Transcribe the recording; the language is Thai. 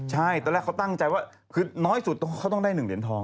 ใช่ตอนแรกเขาตั้งใจว่าคือน้อยสุดเขาต้องได้๑เหรียญทอง